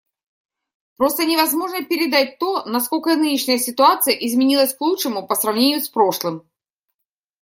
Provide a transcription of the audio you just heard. Просто невозможно передать то, насколько нынешняя ситуация изменилась к лучшему, по сравнению с прошлым.